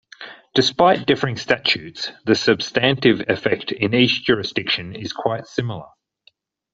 Despite differing statutes, the substantive effect in each jurisdiction is quite similar.